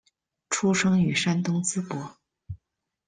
出生于山东淄博。